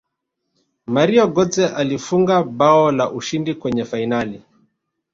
mario gotze alifunga bao la ushindi kwenye fainali